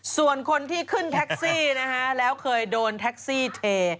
ส่วนคนที่ขึ้นแท็กซี่นะคะแล้วเคยโดนแท็กซี่เท